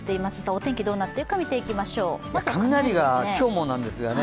お天気どうなっていくか見ていきましょう、まずは雷ですね。